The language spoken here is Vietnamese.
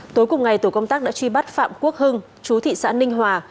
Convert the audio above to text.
tối cùng ngày tổ công tác đã truy bắt phạm quốc hưng chú thị xã ninh hòa